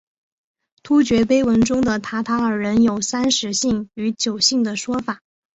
突厥碑文中的塔塔尔人有三十姓与九姓的说法。